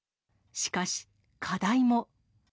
しかし、課題も。